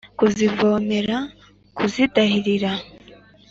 kuzivomera kuzidahirira